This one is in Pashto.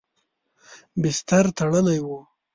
بستر تړلی و.